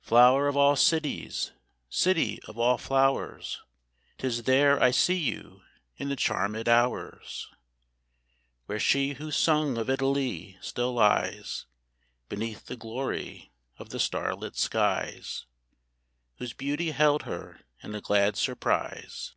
Flower of all Cities ! City of all Flowers ! 'T is there I see you in the charmed hours, Where she who " sang of Italy " still lies Beneath the glory of the starlit skies, Whose beauty held her in a glad surprise.